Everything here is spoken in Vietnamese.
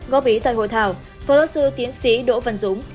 góp ý tại hội thảo phó giáo sư tiến sĩ đỗ văn dũng